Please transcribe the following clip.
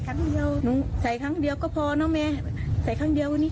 ครั้งเดียวหนูใส่ครั้งเดียวก็พอเนอะแม่ใส่ครั้งเดียววันนี้